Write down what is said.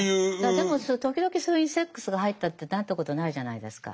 でも時々そういうセックスが入ったってなんてことないじゃないですか。